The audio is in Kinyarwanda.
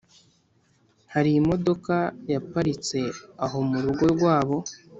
harimodoka yaparitse aho murugo rwabo